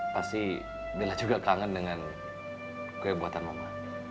pasti dialah juga kangen dengan kue buatan mama